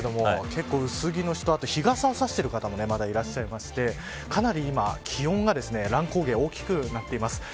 結構薄着の人、あと日傘を差している方もいらしてかなり今、気温の乱高下が大きくなっています。